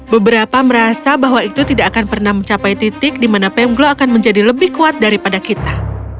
beberapa merasa bahwa itu tidak akan pernah mencapai titik di mana pemglo akan menjadi lebih kuat daripada kita